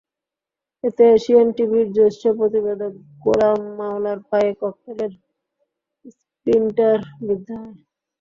এতে এশিয়ান টিভির জ্যেষ্ঠ প্রতিবেদক গোলাম মাওলার পায়ে ককটেলের স্প্লিনটার বিদ্ধ হয়।